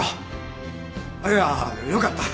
いやよかった。